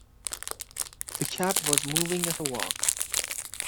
The cab was moving at a walk.